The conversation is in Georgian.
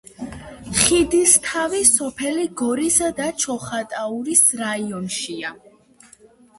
ხიდისთავი სოფელი გორის და ჩოხატაურის რაიონში.